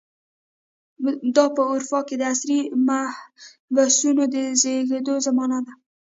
دا په اروپا کې د عصري محبسونو د زېږېدو زمانه وه.